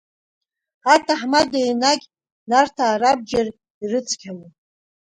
Аҭаҳмада енагь Нарҭаа рабџьар ирыцқьалон.